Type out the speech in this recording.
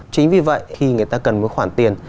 chính vì vậy khi người ta cần một khoản tiền